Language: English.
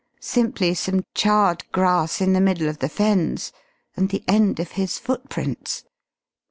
Simply some charred grass in the middle of the Fens and the end of his footprints....